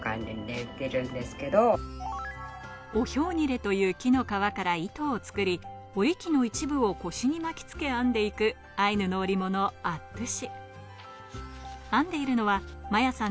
オヒョウニレという木の皮から糸を作り、織機の一部を腰に巻きつけ編んでいくアイヌの織物アットゥシ。